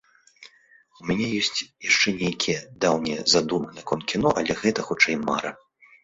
У мяне ёсць яшчэ нейкія даўнія задумы наконт кіно, але гэта, хутчэй, мара.